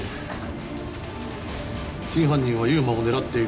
「真犯人は悠馬を狙っている」